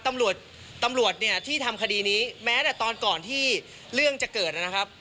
ตำรวจตำรวจเนี่ยที่ทำคดีนี้แม้แต่ตอนก่อนที่เรื่องจะเกิดนะครับ